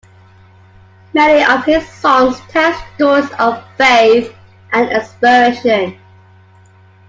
Many of his songs tell stories of faith and inspiration.